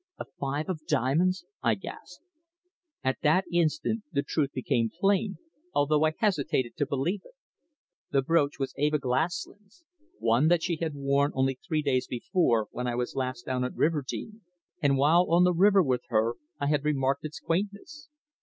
"A five of diamonds!" I gasped. At that instant the truth became plain, although I hesitated to believe it. The brooch was Eva Glaslyn's; one that she had worn only three days before when I was last down at Riverdene, and while on the water with her I had remarked its quaintness.